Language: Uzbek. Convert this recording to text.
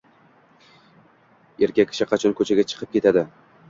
Erkak kishi qachon ko‘chaga chiqib ketadi?